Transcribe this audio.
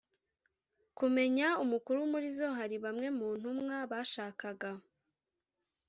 kumenya umukuru muri zo hari bamwe mu ntumwa bashakaga